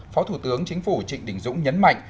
phó thủ tướng chính phủ trịnh đình dũng nhấn mạnh